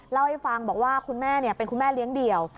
เล่าให้ฟังบอกว่าคุณแม่เป็นคุณแม่เลี้ยงเดี่ยว